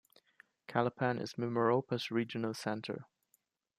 Calapan is Mimaropa's regional center.